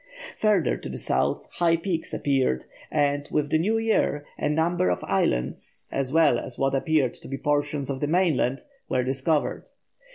Further to the south high peaks appeared, and, with the new year, a number of islands, as well as what appeared to be portions of the mainland, were discovered.